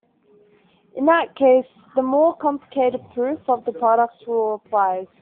In that case the more complicated proof of the product rule applies.